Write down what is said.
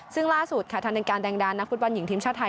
ซึ่งล่าสุดค่ะธันการแดงดานักฟุตบอลหญิงทีมชาติไทย